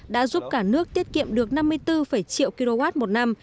đã giúp cả nước tiết kiệm được năm mươi bốn một triệu kwh một năm